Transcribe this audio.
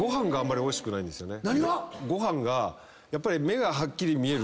何が⁉ご飯がやっぱり。